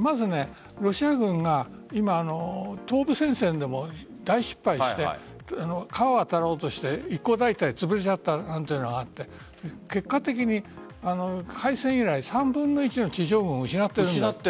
まず、ロシア軍が今、東部戦線でも大失敗して川を渡ろうとして一個大隊つぶしちゃったというのがあって結果的に開戦以来３分の１の地上軍を失っている。